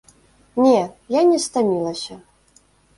Не, я не стамілася.